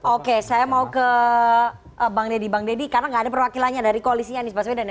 oke saya mau ke bang deddy bang deddy karena ada perwakilannya dari koalisinya di pasweden